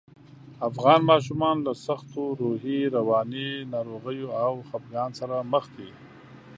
افغان ماشومان له سختو روحي، رواني ناروغیو او خپګان سره مخ دي